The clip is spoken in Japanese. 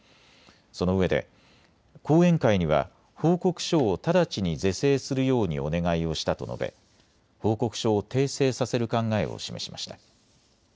そのうえで後援会には報告書を直ちに是正するようにお願いをしたと述べ報告書を訂正させる考えを示しました。